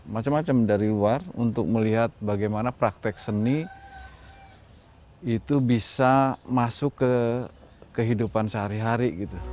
macam macam dari luar untuk melihat bagaimana praktek seni itu bisa masuk ke kehidupan sehari hari gitu